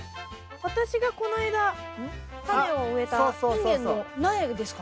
私がこの間タネを植えたインゲンの苗ですか？